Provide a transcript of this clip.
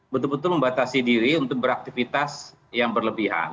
betul betul membatasi diri untuk beraktivitas yang berlebihan